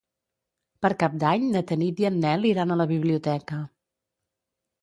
Per Cap d'Any na Tanit i en Nel iran a la biblioteca.